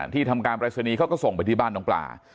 ทำการปรายศนีย์เขาก็ส่งไปที่บ้านน้องปลา